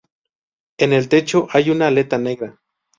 En el techo, hay una aleta negra.